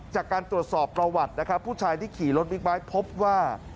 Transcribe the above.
จากการตรวจสอบประวัตินะครับผู้ชายที่ขี่รถบิ๊กไบท์พบว่า